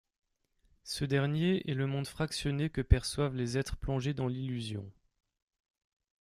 Ce dernier est le monde fractionné que perçoivent les êtres plongés dans l'illusion.